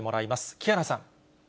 木原さん。